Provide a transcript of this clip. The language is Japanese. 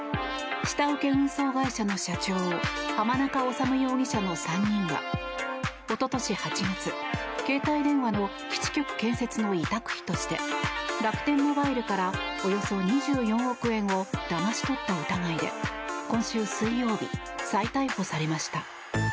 下請け運送会社の社長濱中治容疑者の３人はおととし８月、携帯電話の基地局建設の委託費として楽天モバイルからおよそ２４億円をだまし取った疑いで今週水曜日、再逮捕されました。